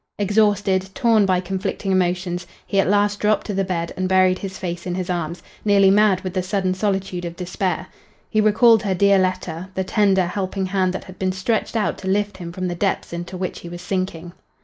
Exhausted, torn by conflicting emotions, he at last dropped to the bed and buried his face in his arms, nearly mad with the sudden solitude of despair. He recalled her dear letter the tender, helping hand that had been stretched out to lift him from the depths into which he was sinking.